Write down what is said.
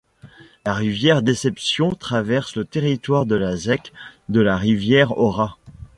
La rivière Déception traverse le territoire de la Zec de la Rivière-aux-Rats.